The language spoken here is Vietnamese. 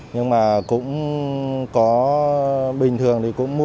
nhưng mà cũng có bình thường thì cũng mua